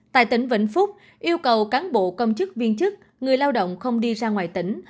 tại tỉnh vĩnh phúc yêu cầu cán bộ công chức viên chức người lao động không đi ra ngoài tỉnh